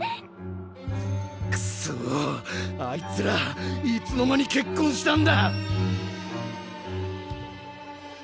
クソあいつらいつの間にけっこんしたんだ。